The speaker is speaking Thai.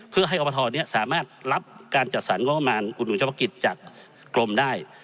เพื่อให้อบทนี้สามารถรับการจัดสรรงบประมาณอุดหนุนเฉพาะกิจจากกรมได้